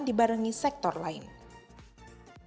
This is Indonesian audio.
dibarengi sektor lainnya